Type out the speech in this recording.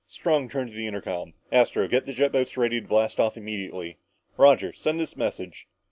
Strong turned to the intercom. "Astro, get the jet boats ready to blast off immediately. Roger, send this message.